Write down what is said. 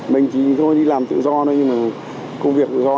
mình thì thôi đi làm tự do nhưng mà công việc tự do